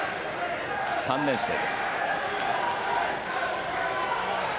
３年生です。